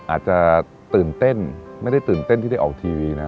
อาจจะตื่นเต้นไม่ได้ตื่นเต้นที่ได้ออกทีวีนะ